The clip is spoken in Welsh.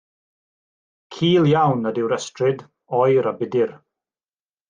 Cul iawn ydyw'r ystryd, oer a budr.